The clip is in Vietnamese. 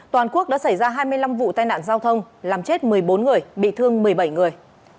toàn quốc đã xảy ra hai mươi năm vụ tai nạn giao thông làm chết một mươi bốn người bị thương một mươi bảy người